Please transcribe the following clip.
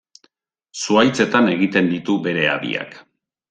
Zuhaitzetan egiten ditu bere habiak.